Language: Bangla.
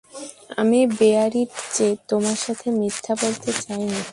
আমি বিয়ারিটজে তোমার সাথে মিথ্যা বলতে চাইনি।